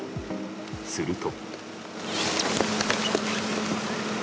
すると。